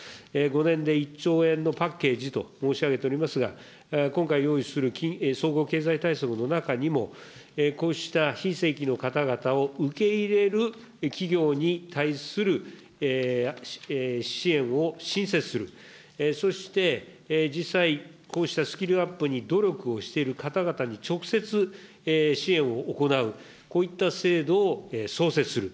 ５年で１兆円のパッケージと申し上げておりますが、今回用意する総合経済対策の中にも、こうした非正規の方々を受け入れる企業に対する支援を新設する、そして実際、こうしたスキルアップに努力をしている方々に直接支援を行う、こういった制度を創設する。